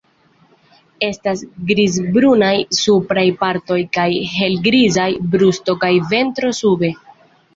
Estas grizbrunaj supraj partoj kaj helgrizaj brusto kaj ventro sube.